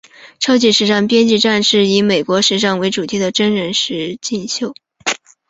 超级时尚编辑战是以美国时尚为主题的真人实境秀。